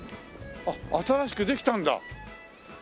あっ新しくできたんだ。